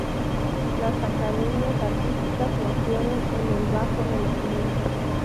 Las academias artísticas nacieron en el bajo Renacimiento.